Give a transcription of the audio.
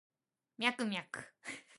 ミャクミャク